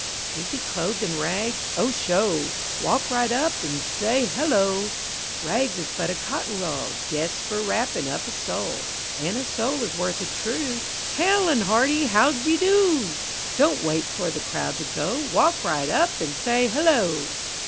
Is he clothed in rags? O sho! Walk right up an' say "hullo!" Rags is but a cotton roll Jest for wrappin' up a soul; An' a soul is worth a true Hale an' hearty "how d'ye do!" Don't wait for the crowd to go, Walk right up an' say "hullo!"